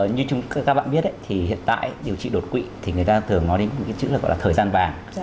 như các bạn biết thì hiện tại điều trị đột quỵ thì người ta thường nói đến cái chữ là gọi là thời gian vàng